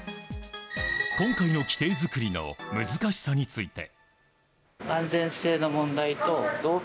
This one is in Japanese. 今回の規定づくりの難しさについて。